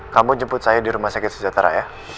kamu jemput saya di rumah sakit sejahtera ya